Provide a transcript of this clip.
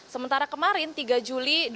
sementara kemarin tiga juli